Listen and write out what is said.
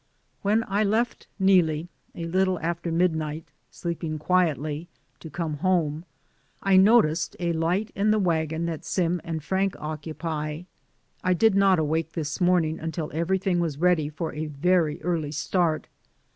When I left Neelie — a little after mid night — sleeping quietly, to come home, I no ticed a light in the wagon that Sim and Frank occupy. I did not awake this morn ing until everything was ready for a very early start.